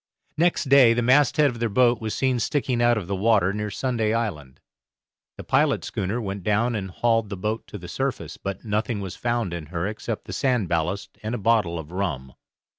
Next day the masthead of their boat was seen sticking out of the water near Sunday Island. The pilot schooner went down and hauled the boat to the surface, but nothing was found in her except the sand ballast and a bottle of rum.